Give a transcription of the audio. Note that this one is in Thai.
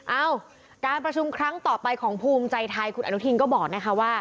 เอ้าการประชุมครั้งต่อไปของภูมิใจไทยคุณอนุทินก็บอกนะคะว่า